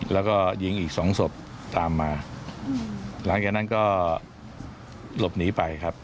แล้วก็ยิงอีกสองศพตามมาหลังจากนั้นก็หลบหนีไปครับ